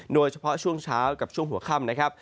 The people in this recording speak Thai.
โดยเฉพาะช่วงเช้ากับช่วงหัวค่ำนะครับ